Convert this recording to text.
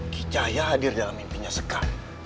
ki cahaya hadir dalam mimpinya sekarang